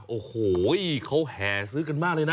โอ้โหเขาแห่ซื้อกันมากเลยนะ